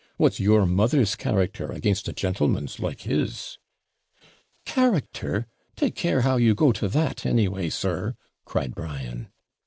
'What's your mother's character against a gentleman's like his?' 'Character! take care how you go to that, anyway, sir,' cried Brian.